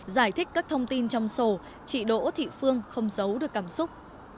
giải thích các thông tin trong sổ chị đỗ thị phương không giấu được cảm xúc